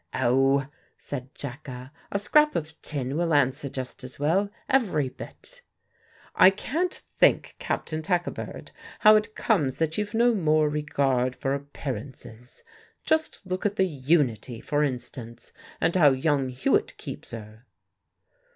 "Oh," said Jacka, "a scrap of tin will answer just as well every bit." "I can't think, Captain Tackabird, how it comes that you've no more regard for appearances. Just look at the Unity, for instance, and how young Hewitt keeps her."